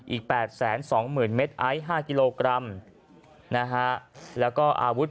อีกแปดแสนสองหมื่นเม็ดไอท์ห้ากิโลกรัมนะฮะแล้วก็อาวุธ